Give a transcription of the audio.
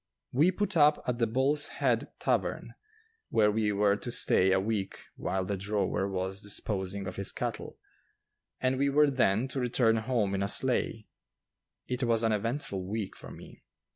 We put up at the Bull's Head Tavern, where we were to stay a week while the drover was disposing of his cattle, and we were then to return home in a sleigh. It was an eventful week for me.